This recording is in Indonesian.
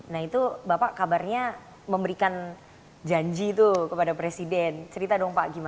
nah itu bapak kabarnya memberikan janji itu kepada presiden cerita dong pak gimana